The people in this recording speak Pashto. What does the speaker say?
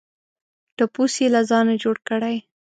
ټپوس یې له ځانه جوړ کړی.